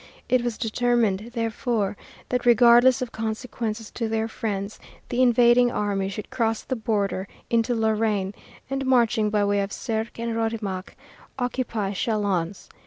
It was determined, therefore, that, regardless of consequences to their friends, the invading army should cross the border into Lorraine and, marching by way of Sierk and Rodemach, occupy Châlons.